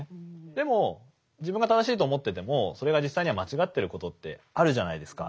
でも自分が正しいと思っててもそれが実際には間違ってることってあるじゃないですか。